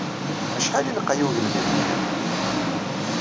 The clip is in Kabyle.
Acḥal ay lqay ugelmim-nni?